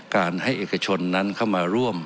การให้เอกชนนั้นเข้ามาร่วม